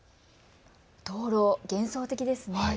灯籠、幻想的ですね。